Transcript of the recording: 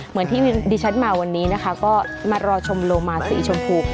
เหมือนที่ดิฉันมาวันนี้นะคะก็มารอชมโลมาสีชมพู